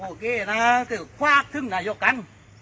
โอเคนะก็ควากถึงนายกรรม